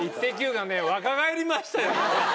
がね若返りましたよ。